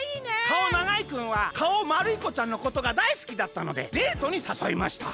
「かおながいくんはかおまるいこちゃんのことがだいすきだったのでデートにさそいました。